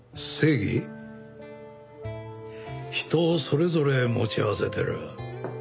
人それぞれ持ち合わせてる。